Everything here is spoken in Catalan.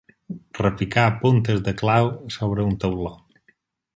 Repicar puntes de clau sobre un tauló.